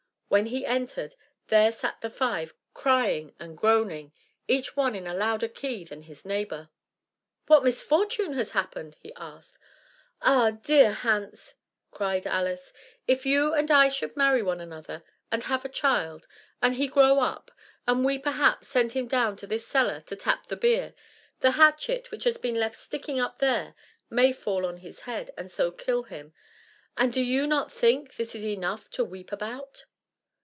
When he entered, there sat the five crying and groaning, each one in a louder key than his neighbour. "What misfortune has happened?" he asked. "Ah, dear Hans!" cried Alice, "if you and I should marry one another, and have a child, and he grow up, and we, perhaps, send him down to this cellar to tap the beer, the hatchet which has been left sticking up there may fall on his head, and so kill him: and do you not think this is enough to weep about?"